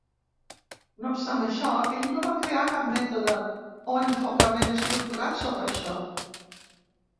No obstant això, ell no va crear cap mètode o enfocament estructurat sobre això.